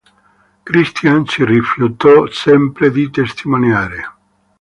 Christian si rifiutò sempre di testimoniare.